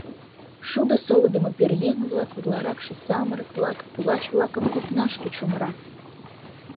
Шудо солыдымо пӧръеҥ-влак, утларакше самырык-влак, пулач-влакым копнашке чумырат.